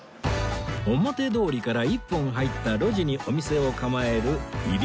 表通りから一本入った路地にお店を構えるいり江